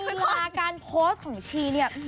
เวลาการโพสต์ของชีเนี่ย